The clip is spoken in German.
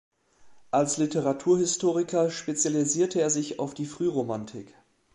Als Literaturhistoriker spezialisierte er sich auf die Frühromantik.